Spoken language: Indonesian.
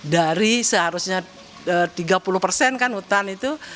dari seharusnya tiga puluh persen kan hutan itu